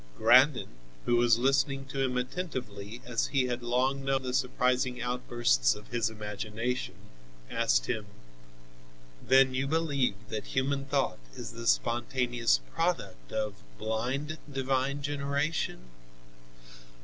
Grandin, who was listening to him attentively as he had long known the surprising outbursts of his imagination, asked him: "Then you believe that human thought is the spontaneous product of blind divine generation?"